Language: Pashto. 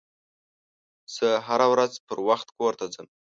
زه هره ورځ پروخت کور ته ځم